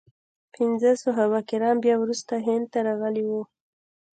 پنځه صحابه کرام بیا وروسته هند ته راغلي وو.